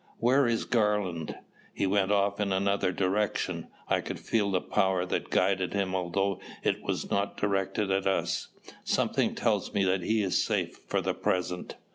"Where is Garland?" "He went off in another direction. I could feel the power that guided him although it was not directed at us. Something tells me that he is safe for the present."